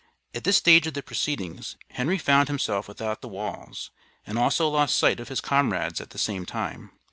At this stage of the proceedings, Henry found himself without the walls, and also lost sight of his comrades at the same time.